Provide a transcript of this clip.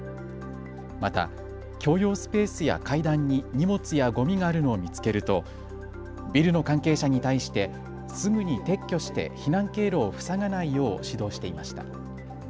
また、共用スペースや階段に荷物やごみがあるのを見つけるとビルの関係者に対してすぐに撤去して避難経路を塞がないよう指導していました。